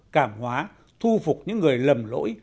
cảm hóa thu phục những người lầm lỗi